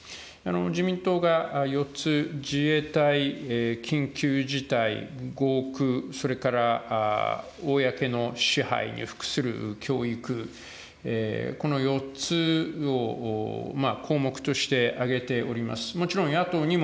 自民党が４つ、自衛隊、緊急事態、合区、公の支配に服する教育、この４つを項目として挙げております。